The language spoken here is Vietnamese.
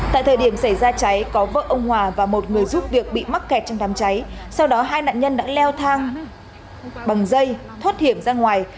tại thời điểm xảy ra cháy có vợ ông hòa và một người giúp việc bị mắc kẹt trong đám cháy sau đó hai nạn nhân đã leo thang bằng dây thoát hiểm ra ngoài